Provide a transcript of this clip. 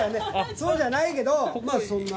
そうじゃないけどそんな。